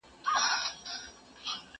زه کتاب نه ليکم..